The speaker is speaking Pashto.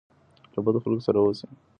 له بدو خلګو لري اوسئ.